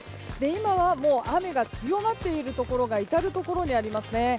今は雨が強まっているところが至るところにありますね。